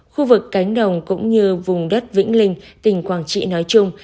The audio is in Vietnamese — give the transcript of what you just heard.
khu vực cánh đồng cũng như vùng đất vĩnh linh tỉnh quảng trị nói chung